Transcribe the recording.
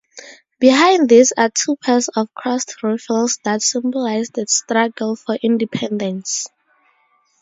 Behind these are two pairs of crossed rifles that symbolize the struggle for independence.